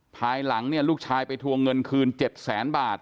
ภายหลังลูกชายไปทวงเงินคืน๗๐๐๐๐๐บาท